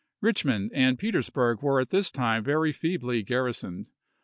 Richmond and Peters burg were at this time very feebly garrisoned.